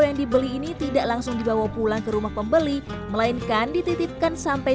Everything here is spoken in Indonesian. yang dibeli ini tidak langsung dibawa pulang ke rumah pembeli melainkan dititipkan sampai